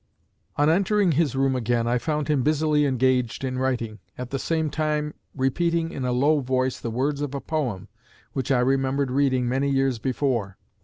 "On entering his room again, I found him busily engaged in writing, at the same time repeating in a low voice the words of a poem which I remembered reading many years before.